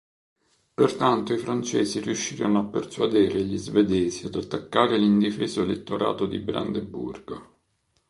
Pertanto i francesi riuscirono a persuadere gli svedesi ad attaccare l'indifeso elettorato di Brandeburgo.